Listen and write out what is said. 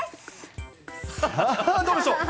さあ、どうでしょう？